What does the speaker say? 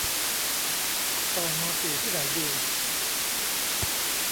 ต่อมอสี่ที่ไหนดี